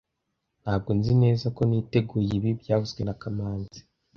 Ntabwo nzi neza ko niteguye ibi byavuzwe na kamanzi